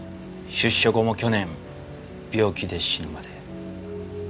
出所後も去年病気で死ぬまで。